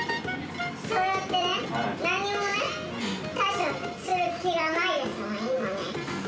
そうやってね、何もね、対処する気がないでしょう、今ね。